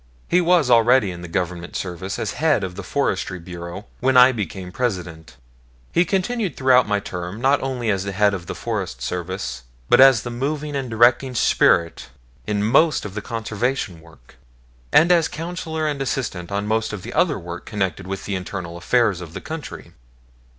He was already in the Government service as head of the Forestry Bureau when I became President; he continued throughout my term, not only as head of the Forest service, but as the moving and directing spirit in most of the conservation work, and as counsellor and assistant on most of the other work connected with the internal affairs of the country.